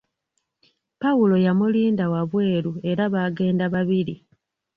Pawulo yamulinda wabweru era baagenda babiri.